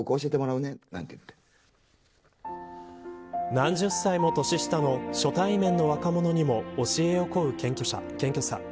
何十歳も年下の初対面の若者にも教えを請う謙虚さ。